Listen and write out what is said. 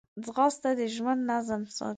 ځغاسته د ژوند نظم ساتي